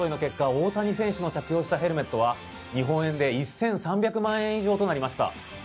大谷選手の着用したヘルメットは日本円で１３００万円以上となりました。